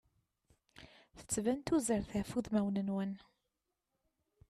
Tettban tuzert ɣef udmawen-nwen.